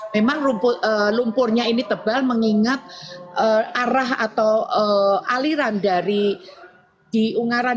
memang lumpurnya ini tebal mengingat arah atau aliran dari di ungaran